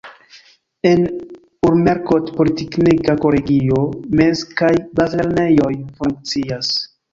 En Umerkot politeknika kolegio, mez- kaj bazlernejoj funkcias.